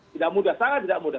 tidak mudah sangat tidak mudah